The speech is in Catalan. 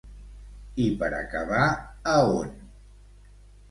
I per acabar a on?